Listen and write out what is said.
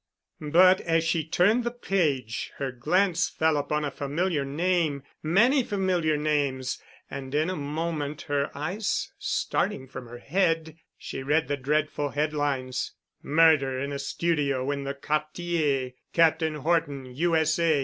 But as she turned the page, her glance fell upon a familiar name—many familiar names, and in a moment, her eyes starting from her head, she read the dreadful headlines: "MURDER IN A STUDIO IN THE QUARTIER. Captain Horton, U.S.A.